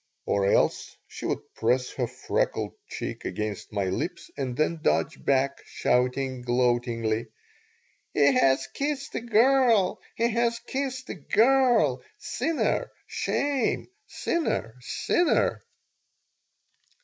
Or else she would press her freckled cheek against my lips and then dodge back, shouting, gloatingly: "He has kissed a girl! He has kissed a girl! Sinner! Shame! Sinner! Sinner!"